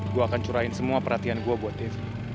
gue akan curahin semua perhatian gue buat dia